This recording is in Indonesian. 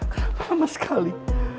kenapa lama sekali